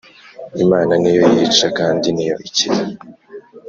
imana niyo yica kandi niyo ikiza